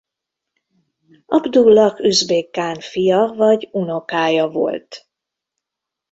Abdullah Üzbég kán fia vagy unokája volt.